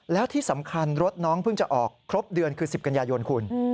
แล้วที่สำคัญรถน้องเพิ่งจะออกครบเดือนคือ๑๐กันยายนคุณ